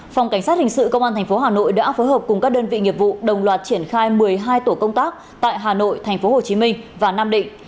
phòng cảnh sát hình sự công an thành phố hà nội đã phối hợp cùng các đơn vị nghiệp vụ đồng loạt triển khai một mươi hai tổ công tác tại hà nội thành phố hồ chí minh và nam định